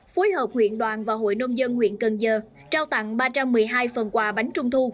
phối hợp huyện đoàn và hội nông dân huyện cần giờ trao tặng ba trăm một mươi hai phần quà bánh trung thu